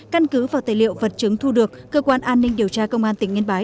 căn cứ vào tài liệu vật chứng thu được cơ quan an ninh điều tra công an tỉnh yên bái